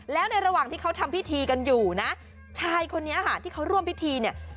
แล้วในระหว่างที่เขาทำพิธีกันอยู่นะชายคนนี้ค่ะที่เขาร่วมพิธีเนี่ย